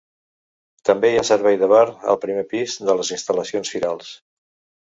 També hi ha servei de bar al primer pis de les instal·lacions firals.